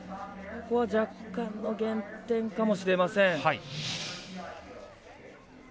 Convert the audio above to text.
ここは若干の減点かもしれません。